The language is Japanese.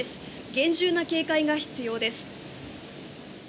厳重な警戒が必要です。